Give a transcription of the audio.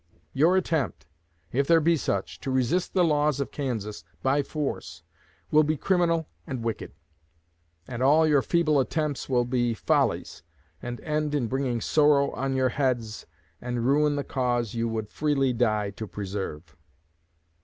Your attempt, if there be such, to resist the laws of Kansas by force, will be criminal and wicked; and all your feeble attempts will be follies, and end in bringing sorrow on your heads, and ruin the cause you would freely die to preserve.